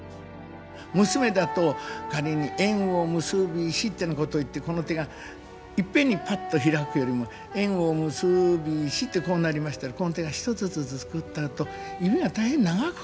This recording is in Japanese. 娘だと仮に「縁を結びし」ってなこと言ってこの手がいっぺんにパッと開くよりも「縁を結びし」ってこうなりましたらこの手が一つずつ作ったあと指が大変長く感じる。